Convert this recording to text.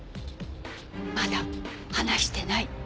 まだ話してない。